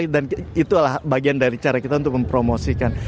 dan itulah bagian dari cara kita untuk mempromosikan